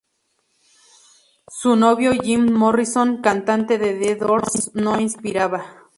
Su novio, Jim Morrison, cantante de The Doors, no respiraba.